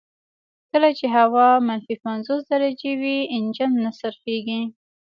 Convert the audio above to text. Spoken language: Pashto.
کله چې هوا منفي پنځوس درجې وي انجن نه څرخیږي